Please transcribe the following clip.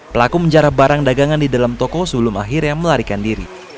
pelaku menjarah barang dagangan di dalam toko sebelum akhirnya melarikan diri